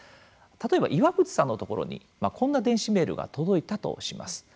例えば岩渕さんのところにこんな電子メールが届いたとします。